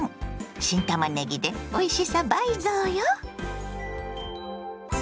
新たまねぎでおいしさ倍増よ！